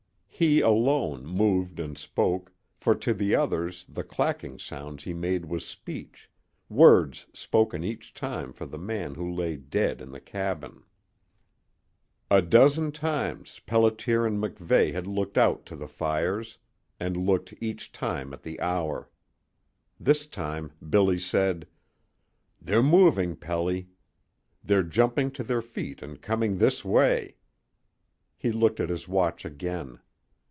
He alone moved and spoke, for to the others the clacking sounds he made was speech, words spoken each time for the man who lay dead in the cabin. A dozen times Pelliter and MacVeigh had looked out to the fires, and looked each time at the hour. This time Billy said: "They're moving, Pelly! They're jumping to their feet and coming this way!" He looked at his watch again.